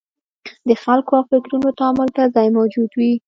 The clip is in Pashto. د خلکو او فکرونو تامل ته ځای موجود وي.